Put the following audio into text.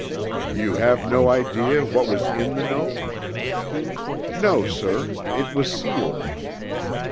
"You have no idea what was in the note?" "No, sir. It was sealed."